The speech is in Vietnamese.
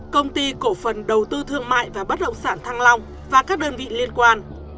công ty cổ phần đầu tư thương mại và bất động sản thăng long và các đơn vị liên quan